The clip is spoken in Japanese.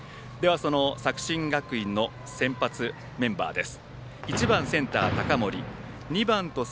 作新学院の先発メンバーです。